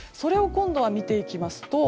それを今度は見ていきますと